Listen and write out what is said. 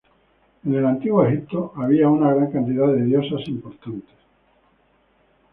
En el antiguo Egipto había una gran cantidad de diosas importantes.